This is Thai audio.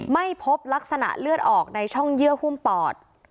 ไม่พบลักษณะเลือดออกในช่องเยื่อหุ้มปอด